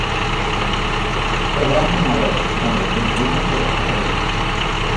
Eduardo Madero, donde finaliza su recorrido.